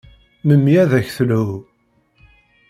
Memmi ad ak-telhu.